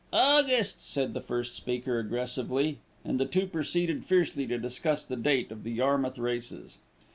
"August," said the first speaker aggressively, and the two proceeded fiercely to discuss the date of the Yarmouth Races.